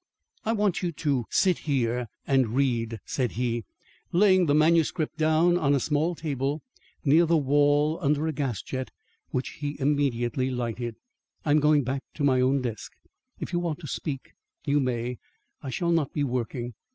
"I want you to sit here and read," said he, laying the manuscript down on a small table near the wall under a gas jet which he immediately lighted. "I am going back to my own desk. If you want to speak, you may; I shall not be working."